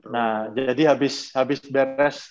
nah jadi habis beres